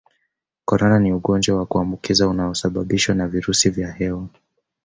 Corona ni ugonjwa wa kuambukiza unaosababishwa na virusi vya hewa